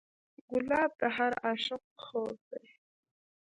ګلاب د هر عاشق خوب دی.